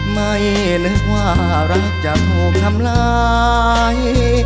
ไม่นึกว่ารักจะถูกทำร้าย